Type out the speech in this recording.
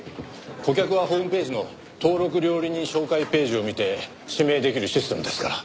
顧客はホームページの登録料理人紹介ページを見て指名できるシステムですから。